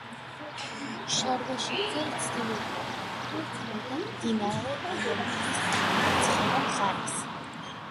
შარვაშიძე ცდილობდა დაუფლებოდა მდინარე ენგურის მარცხენა მხარეს.